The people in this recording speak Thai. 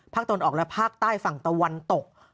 ภาคตะวันออกแล้วภาคใต้ฝั่งตะวันตก